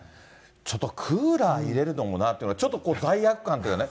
ちょっとクーラー入れるのもなって、ちょっと罪悪感とかね、